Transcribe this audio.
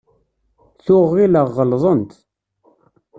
Tuɣ ɣilleɣ ɣelḍent.